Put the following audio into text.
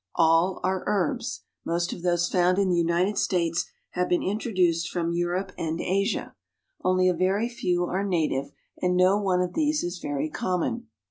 All are herbs. Most of those found in the United States have been introduced from Europe and Asia. Only a very few are native, and no one of these is very common.